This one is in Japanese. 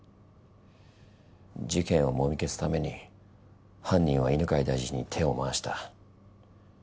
事件をもみ消すために犯人は犬飼大臣に手を回した。